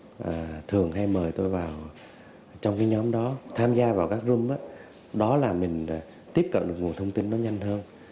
và thường hay mời tôi vào trong cái nhóm đó tham gia vào các drom đó là mình tiếp cận được nguồn thông tin nó nhanh hơn